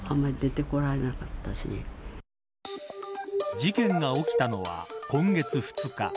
事件が起きたのは今月２日。